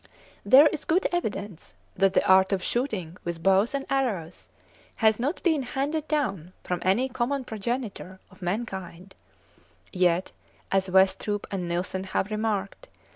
There is good evidence that the art of shooting with bows and arrows has not been handed down from any common progenitor of mankind, yet as Westropp and Nilsson have remarked (25.